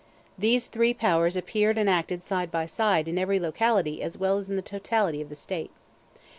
These three powers appeared and acted side by side in every locality as well as in the totality of the State.